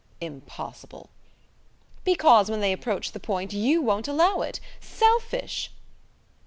"Impossible." "Because when they approach the point, you won't allow it! Selfish!"